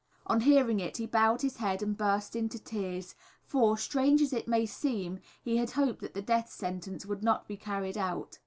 On hearing it, he bowed his head and burst into tears, for, strange as it may seem, he had hoped that the death sentence would not be carried out.